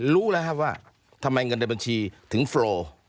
รู้แล้วครับว่าทำไมเงินในบัญชีถึงโฟล